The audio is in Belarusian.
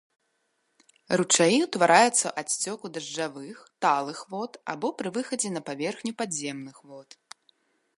Ручаі ўтвараюцца ад сцёку дажджавых, талых вод або пры выхадзе на паверхню падземных вод.